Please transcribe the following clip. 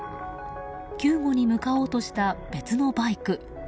救護に向かおうとした別のバイク。